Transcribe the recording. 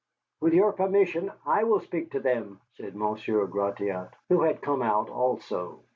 "With your permission, I will speak to them," said Monsieur Gratiot, who had come out also.